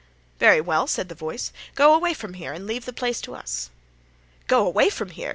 "Very well," said the voice; "go away from here and leave the place to us." "Go away from here!"